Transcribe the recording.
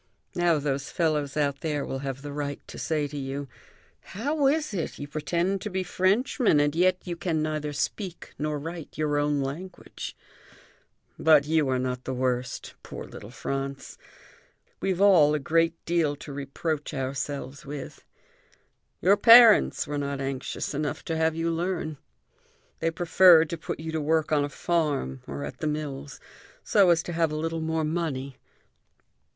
Now those fellows out there will have the right to say to you: 'How is it; you pretend to be Frenchmen, and yet you can neither speak nor write your own language?' But you are not the worst, poor little Franz. We've all a great deal to reproach ourselves with. "Your parents were not anxious enough to have you learn. They preferred to put you to work on a farm or at the mills, so as to have a little more money.